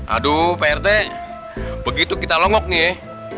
aduh prt begitu kita longok nih